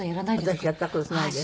私やった事ないです。